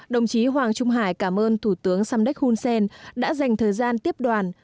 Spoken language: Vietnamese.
đồng chí hoàng trung hải cảm ơn thủ tướng samdek hun sen đã dành thời gian tiếp đoàn